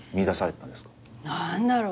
何だろう。